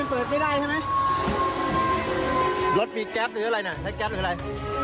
เปิดไม่ได้ใช่ไหมรถมีแก๊สหรืออะไรน่ะใช้แก๊สหรืออะไร